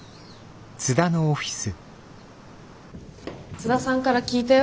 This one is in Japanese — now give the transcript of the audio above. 津田さんから聞いたよ。